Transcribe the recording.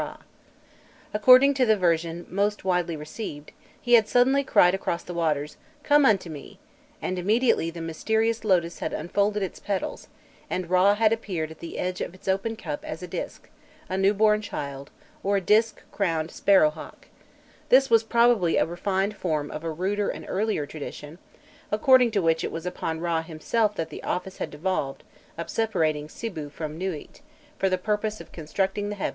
According to the version most widely received, he had suddenly cried across the waters, "Come unto me!"[*] and immediately the mysterious lotus had unfolded its petals, and Râ had appeared at the edge of its open cup as a disk, a newborn child, or a disk crowned sparrow hawk; this was probably a refined form of a ruder and earlier tradition, according to which it was upon Râ himself that the office had devolved of separating Sibû from Nûît, for the purpose of constructing the heavens and the earth.